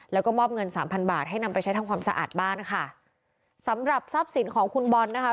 แล้วก็มอบเงินสามพันบาทให้นำไปใช้ทำความสะอาดบ้านค่ะสำหรับทรัพย์สินของคุณบอลนะคะ